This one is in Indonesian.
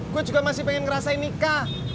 gue juga masih pengen ngerasain nikah